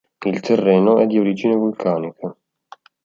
Il terreno è di origine vulcanica.